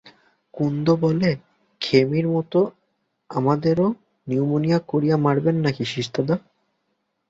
কুন্দ বলে, ক্ষেমির মতো আমাদেরও নিমুনিয়া করিয়ে মারবেন নাকি শশীদাদা?